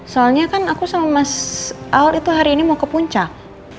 soalnya kan aku sama mas al itu hari ini mau ke puncak